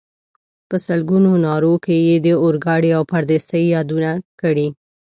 په سلګونو نارو کې یې د اورګاډي او پردیسۍ یادونه کړې.